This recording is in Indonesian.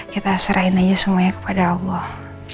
kita serahin aja semuanya kepada allah